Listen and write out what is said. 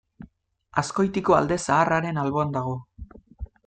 Azkoitiko Alde Zaharraren alboan dago.